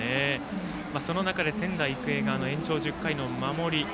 その中で、仙台育英が延長１０回の守り。